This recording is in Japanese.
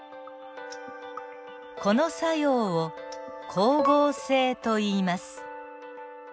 この作用を光合成といいます。